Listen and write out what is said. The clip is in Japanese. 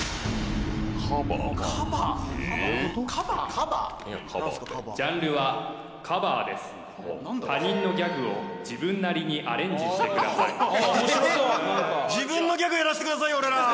カバージャンルは「カバー」です他人のギャグを自分なりにアレンジしてください自分のギャグやらせてくださいよ俺ら！